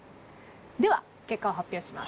では結果を発表します。